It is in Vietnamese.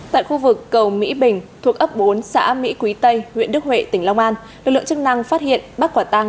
tại khu vực cầu mỹ bình thuộc ấp bốn xã mỹ quý tây huyện đức huệ tỉnh long an lực lượng chức năng phát hiện bắt quả tăng